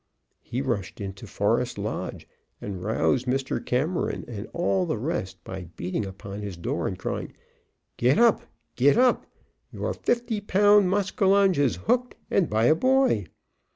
He rushed into Forest Lodge and roused Mr. Cameron and all the rest by beating upon his door and crying, "Get up! Get up! Your fifty pound maskinonge is hooked, and by a boy!"